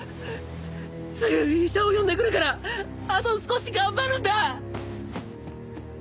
すぐ医者を呼んでくるからあと少し頑張るんだ！